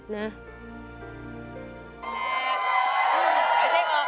แดดใครใช่โอ๊คใครใช่โอ๊ค